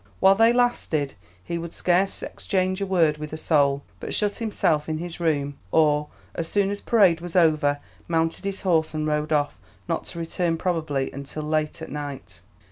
While they lasted, he would scarce exchange a word with a soul, but shut himself in his room, or, as soon as parade was over, mounted his horse and rode off, not to return probably until late at night.